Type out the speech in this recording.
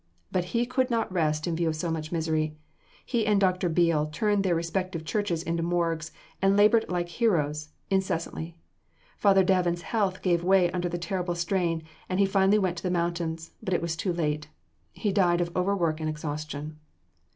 But he could not rest in view of so much misery. He and Dr. Beale turned their respective churches into morgues, and labored like heroes, incessantly. Father Davin's health gave way under the terrible strain, and he finally went to the mountains; but it was too late. He died of overwork and exhaustion.